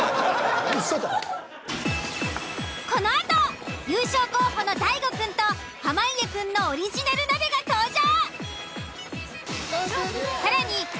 このあと優勝候補の大悟くんと濱家くんのオリジナル鍋が登場。